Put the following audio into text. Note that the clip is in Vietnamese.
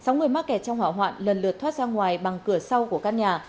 sáu người mắc kẹt trong hỏa hoạn lần lượt thoát ra ngoài bằng cửa sau của căn nhà